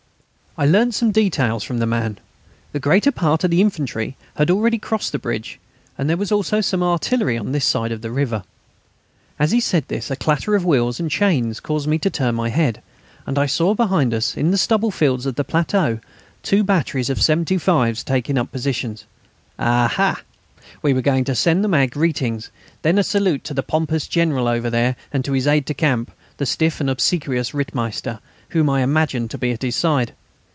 I learnt some details from the man. The greater part of the infantry had already crossed the bridge, and there was also some artillery on this side of the river. As he said this a clatter of wheels and chains caused me to turn my head, and I saw behind us, in the stubble fields of the plateau, two batteries of 75's taking up positions. Ah! ah! we were going to send them our greetings then, a salute to the pompous General over there, and to his aide de camp, the stiff and obsequious Rittmeister, whom I imagined to be at his side.